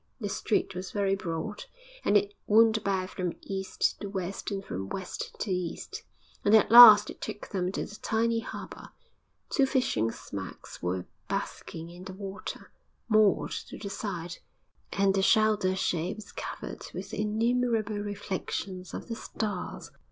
The street was very broad, and it wound about from east to west and from west to east, and at last it took them to the tiny harbour. Two fishing smacks were basking on the water, moored to the side, and the Zuyder Zee was covered with the innumerable reflections of the stars.